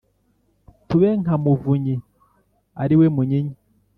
tube nka muvunyi ari we munyinya